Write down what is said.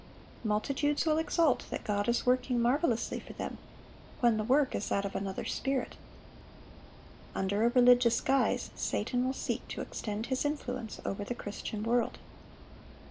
Multitudes will exult that God is working marvelously for them, when the work is that of another spirit. Under a religious guise, Satan will seek to extend his influence over the Christian world.